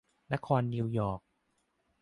นครนิวยอร์ค